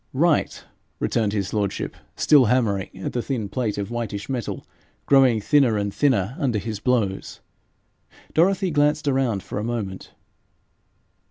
'Right,' returned his lordship, still hammering at the thin plate of whitish metal growing thinner and thinner under his blows. Dorothy glanced around her for a moment.